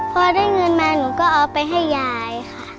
พอได้เงินมาหนูก็เอาไปให้ยายค่ะ